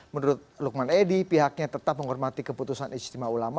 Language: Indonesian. menurut lukman edi pihaknya tetap menghormati keputusan istimewa ulama